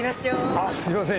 あっすみません。